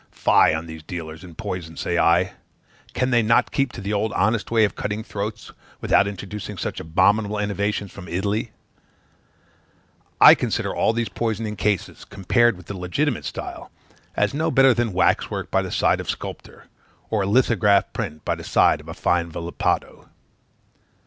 Fie on these dealers in poison, say I: can they not keep to the old honest way of cutting throats, without introducing such abominable innovations from Italy? I consider all these poisoning cases, compared with the legitimate style, as no better than wax work by the side of sculpture, or a lithographic print by the side of a fine Volpato.